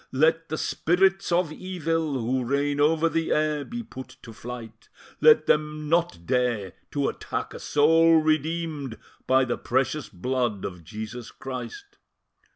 let the Spirits of Evil, who reign over the air, be put to flight; let them not dare to attack a soul redeemed by the precious blood of Jesus Christ."